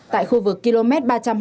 tại khu vực km ba trăm linh